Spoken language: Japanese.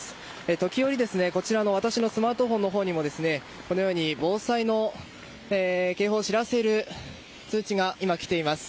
時折私のスマートフォンのほうに防災の警報を知らせる通知が今、来ています。